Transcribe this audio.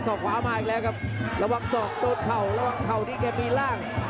อกขวามาอีกแล้วครับระวังศอกโดนเข่าระวังเข่านี้แกมีล่าง